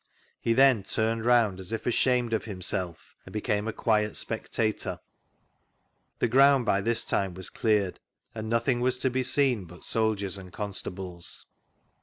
He then turned round as if ashamed of himself and became a quiet spectator. The ground by this time was cleared, and nothing was to be seen but soldieis and constables.